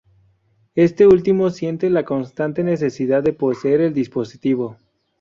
Este último siente la constante necesidad de poseer el dispositivo.